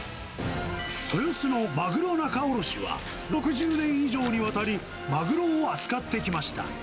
豊洲のマグロ仲卸は、６０年以上にわたり、マグロを扱ってきました。